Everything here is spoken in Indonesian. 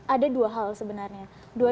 ada dua hal sebenarnya